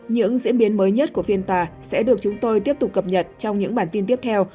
những diễn biến mới nhất của phiên tòa sẽ được chúng tôi tiếp tục cập nhật trong những bản tin tiếp theo